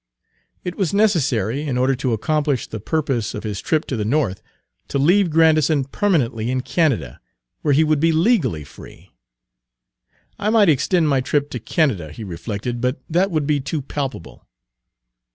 It was necessary, in order to accomplish the purpose of his trip to the North, to leave Grandison permanently in Canada, where he would be legally free. "I might extend my trip to Canada," he reflected, "but that would be too palpable.